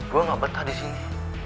gue gak betah di sini